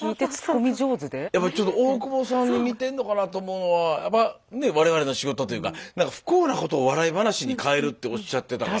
やっぱりちょっと大久保さんに似てんのかなと思うのはやっぱねえ我々の仕事というかなんか不幸なことを笑い話に変えるっておっしゃってたから。